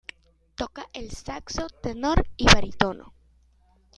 Toca el saxo tenor y barítono.